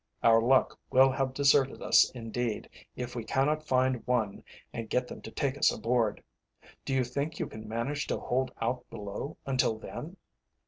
Our luck will have deserted us indeed, if we cannot find one and get them to take us aboard. Do you think you can manage to hold out below until then?"